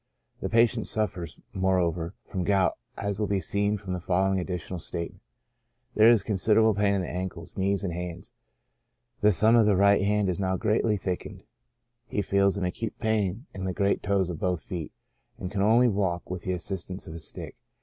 The patient suffers, moreover, from gout, as will be seen from the following additional statement. There is considerable pain in the ankles, knees, and hands ; the thumb of the right hand is now greatly thickened ; he feels an acute pain in the great toes of both feet, and can only walk with the assistance of a stick.